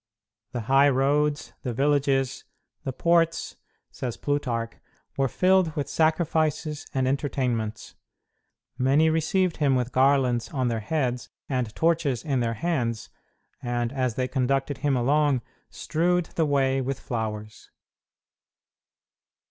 The high roads, the villages, the ports, says Plutarch, were filled with sacrifices and entertainments. Many received him with garlands on their heads and torches in their hands, and, as they conducted him along, strewed the way with flowers.